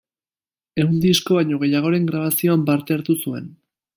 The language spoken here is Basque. Ehun disko baino gehiagoren grabazioan parte hartu zuen.